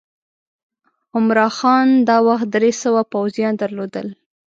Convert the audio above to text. عمرا خان دا وخت درې سوه پوځیان درلودل.